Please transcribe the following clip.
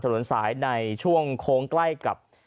ถนนสายในช่วงโค้งใกล้กับ